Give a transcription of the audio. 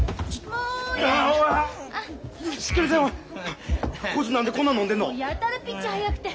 もうやたらピッチ速くて。